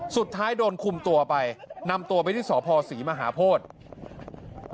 สุดท้ายโดนคุมตัวไปนำตัวไปที่สพศรีมหาโพธิ